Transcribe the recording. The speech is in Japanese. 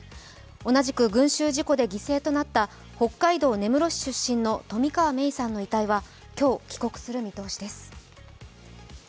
同じく群集事故で犠牲となった北海道根室市出身の冨川芽生さんの遺体は今日、帰国する見通しです。